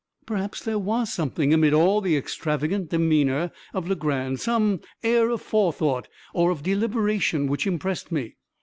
Perhaps there was something, amid all the extravagant demeanor of Legrand some air of forethought, or of deliberation, which impressed me.